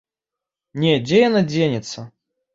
Не дзе яна дзенецца.